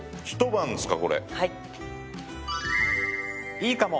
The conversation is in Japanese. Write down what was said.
いいかも！